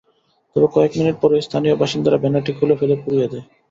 তবে কয়েক মিনিট পরই স্থানীয় বাসিন্দারা ব্যানারটি খুলে ফেলে পুড়িয়ে দেয়।